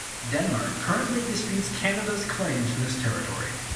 Denmark currently disputes Canada's claim to this territory.